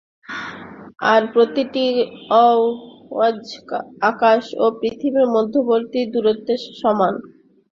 তার প্রতিটি আওয়াজ আকাশ ও পৃথিবীর মধ্যবর্তী দূরত্বের সমান।